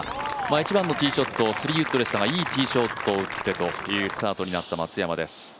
１番のティーショットいいティーショットを打ってという、スタートになった松山です。